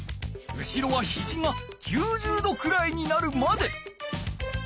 後ろはひじが９０度くらいになるまで。